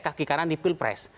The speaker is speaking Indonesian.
kaki kanan di pilpres